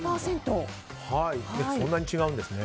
そんなに違うんですね。